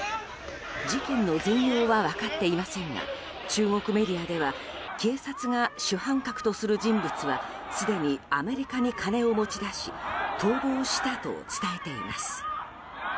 事件の全容は分かっていませんが中国メディアでは警察が主犯格とする人物はすでにアメリカに金を持ち出し逃亡したと伝えています。